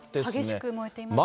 激しく燃えていますね。